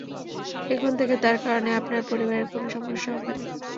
এখন থেকে তার কারণে আপনার পরিবারের কোন সমস্যা হবে না।